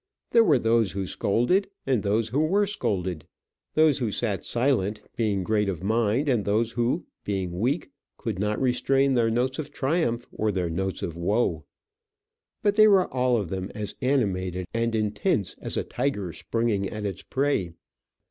There were those who scolded, and those who were scolded. Those who sat silent, being great of mind, and those who, being weak, could not restrain their notes of triumph or their notes of woe; but they were all of them as animated and intense as a tiger springing at its prey.